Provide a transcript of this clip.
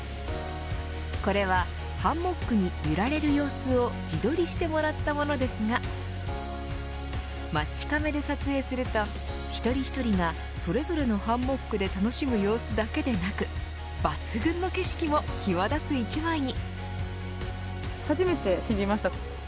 これはハンモックに揺られる様子を自撮りしてもらったものですがマチカメで撮影すると一人一人がそれぞれのハンモックで楽しむ様子だけでなく抜群の景色も際立つ一枚に。